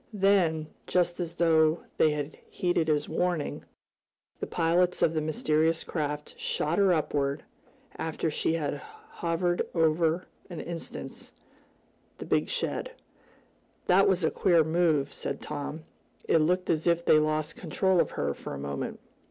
Then, just as though they had heeded his warning, the pilots of the mysterious craft shot her upward, after she had hovered for an instant over the big shed. "That was a queer move," said Tom. "It looked as if they lost control of her for a moment."